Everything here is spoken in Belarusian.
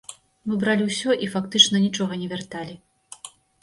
Мы бралі ўсё і фактычна нічога не вярталі.